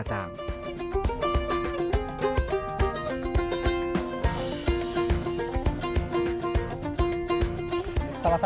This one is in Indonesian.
kedua penonton terkesima